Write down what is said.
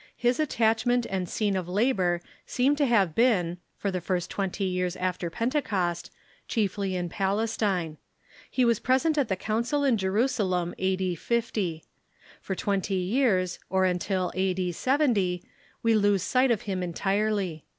His attachment and scene of labor seem to have been, for the first twenty years after Pentecost, chiefly in Palestine. He was present at the council in Jerusalem, a.d. 50. For twenty years, or until a.d. 70, Ave lose sight of him entirely.